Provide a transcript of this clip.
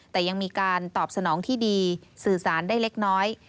แต่ยังมีการตอบสนองที่ดีสื่อสารได้เล็กน้อย